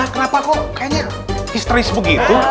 kenapa kok kayaknya history sebegitu